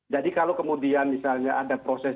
jadi kalau kemudian misalnya ada proses